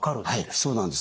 そうなんです。